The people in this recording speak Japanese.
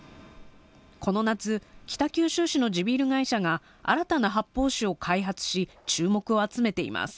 この夏、北九州市の地ビール会社が新たな発泡酒を開発し、注目を集めています。